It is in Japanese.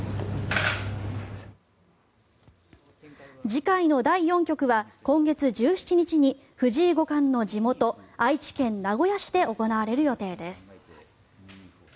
次回の第４局は今月１７日に藤井五冠の地元愛知県名古屋市で行われる予定です。